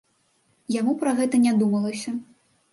Яму пра гэта не думалася.